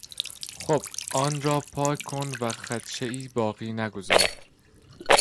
خوب آن را پاک کن و خدشهای باقی نگذار.